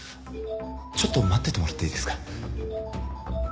ちょっと待っててもらっていいですか？